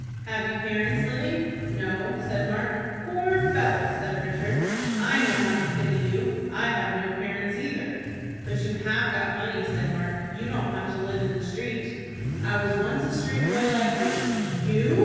"Have you parents living?" "No," said Mark. "Poor fellow!" said Richard. "I know how to pity you. I have no parents either." "But you have got money," said Mark. "You don't have to live in the street." "I was once a street boy like you." "You!"